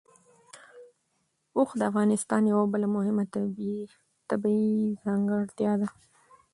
اوښ د افغانستان یوه بله مهمه طبیعي ځانګړتیا ده.